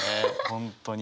本当に。